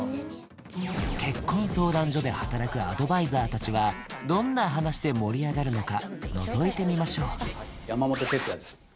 結婚相談所で働くアドバイザー達はどんな話で盛り上がるのかのぞいてみましょう山本哲哉です